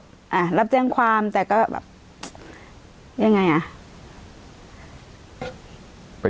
อ่ารับแจ้งความแต่ก็แบบยังไงอ่ะ